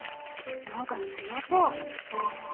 なんかつよそう。